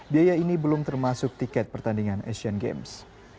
biaya ini belum termasuk tiket pertandingan asian games